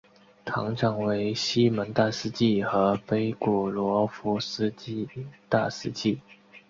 堂长为西蒙大司祭和菲古罗夫斯基大司祭。